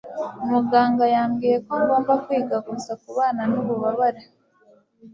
Muganga yambwiye ko ngomba kwiga gusa kubana nububabare.